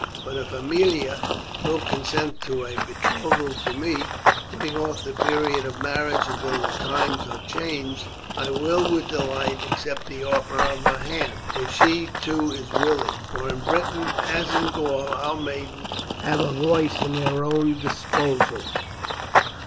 But if Aemilia will consent to a betrothal to me, putting off the period of marriage until the times are changed, I will, with delight, accept the offer of her hand, if she too is willing, for in Briton, as in Gaul, our maidens have a voice in their own disposal."